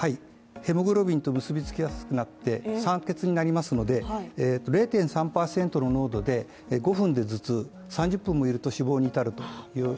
ヘモグロビンと結びつきやすくなって酸欠になりますので５分でずつ３０分もいると死亡に至ると。